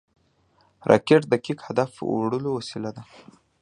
راکټ د دقیق هدف وړلو وسیله ده